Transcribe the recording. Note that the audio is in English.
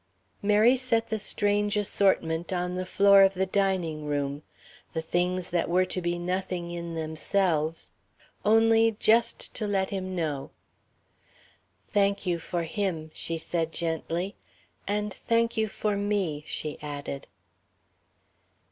Mary set the strange assortment on the floor of the dining room the things that were to be nothing in themselves, only just "to let him know." "Thank you for him," she said gently. "And thank you for me," she added.